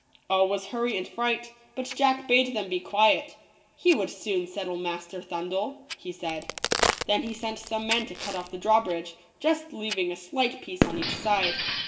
All was hurry and fright; but Jack bade them be quiet — he would soon settle Master Thundel, he said. Then he sent some men to cut off the drawbridge, just leaving a slight piece on each side.